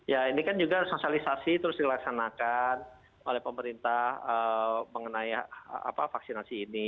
ya ini kan juga sosialisasi terus dilaksanakan oleh pemerintah mengenai vaksinasi ini